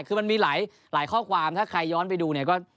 คือมันมีหลายข้อความถ้าใครย้อนไปดูเนี่ยก็